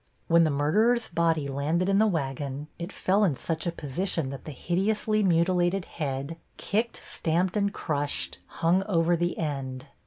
When the murderer's body landed in the wagon it fell in such a position that the hideously mutilated head, kicked, stamped and crushed, hung over the end.